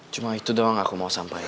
cuma itu doang aku mau sampaikan